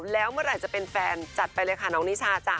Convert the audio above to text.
แล้วเมื่อไหร่จะเป็นแฟนจัดไปเลยค่ะน้องนิชาจ้ะ